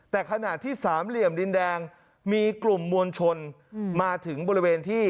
แต่ขณะที่สามเหลี่ยมดินแดงมีกลุ่มมวลชนมาถึงบริเวณที่